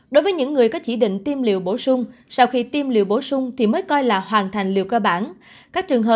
đối với những người có chỉ định tiêm liều bổ sung sau khi tiêm liều bổ sung thì mới coi là hoàn thành liều cơ bản